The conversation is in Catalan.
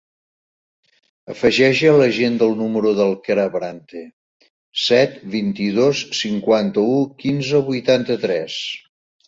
Afegeix a l'agenda el número del Quer Abrante: set, vint-i-dos, cinquanta-u, quinze, vuitanta-tres.